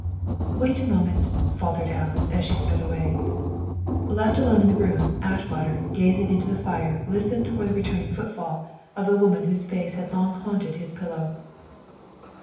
"Wait a moment," faltered Alice, as she sped away. Left alone in the room, Atwater, gazing into the fire, listened for the returning footfall of the woman whose face had long haunted his pillow.